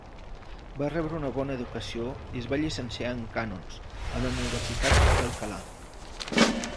Va rebre una bona educació i es va llicenciar en cànons, a la Universitat d'Alcalà.